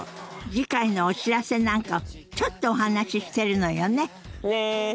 次回のお知らせなんかをちょっとお話ししてるのよね。ね。